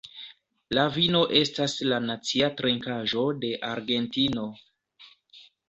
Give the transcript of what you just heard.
La vino estas la nacia trinkaĵo de Argentino.